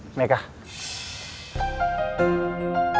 sampai jumpa lagi